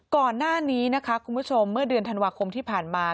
ก่อนหน้านี้นะคะคุณผู้ชมเมื่อเดือนธันวาคมที่ผ่านมา